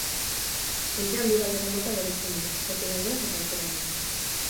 Funtsean, bi galdera-mota bereizten dira: zati-galderak eta aukera-galderak.